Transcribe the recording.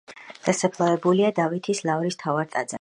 დასაფლავებულია დავითის ლავრის მთავარ ტაძარში.